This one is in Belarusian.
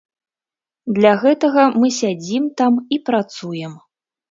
Для гэтага мы сядзім там і працуем.